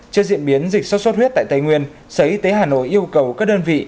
trước diễn biến dịch sốt xuất huyết tại tây nguyên sở y tế hà nội yêu cầu các đơn vị